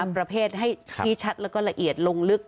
ประเภทให้ชี้ชัดแล้วก็ละเอียดลงลึก